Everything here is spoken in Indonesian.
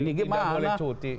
nggak boleh cuti